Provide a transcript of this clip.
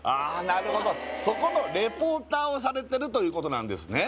なるほどそこのリポーターをされてるということなんですね